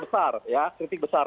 saya kritik besar